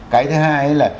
cái thứ hai là